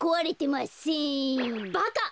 バカ！